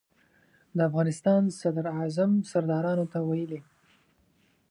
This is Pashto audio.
د افغانستان صدراعظم سردارانو ته ویلي.